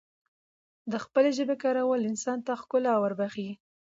دخپلې ژبې کارول انسان ته ښکلا وربښی